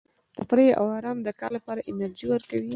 تفریح او ارام د کار لپاره انرژي ورکوي.